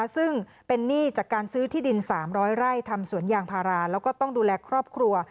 ซึ่งเป็นหนี้จากการซื้อที่ดิน๓๐๐ไร่ทำสวนยางพาราแล้วก็ต้องดูแลครอบครัว